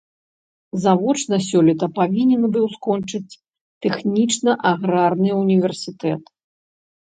Завочна сёлета павінен быў скончыць тэхнічна-аграрны ўніверсітэт.